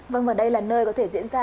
vâng và đây là nơi có thể diễn ra